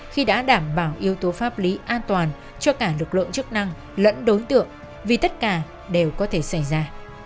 khi đã đảm bảo yếu tố pháp lý an toàn cho cả lực lượng chức năng lẫn đối tượng vì tất cả đều có thể xảy ra